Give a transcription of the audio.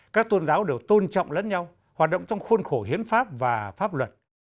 các tôn giáo đều tôn trọng lẫn nhau hoạt động trong khuôn khổ hiến pháp và pháp luật